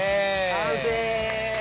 完成。